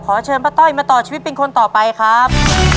เชิญป้าต้อยมาต่อชีวิตเป็นคนต่อไปครับ